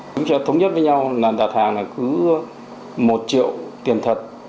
chúng ta thống nhất với nhau là đặt hàng là cứ một triệu tiền thật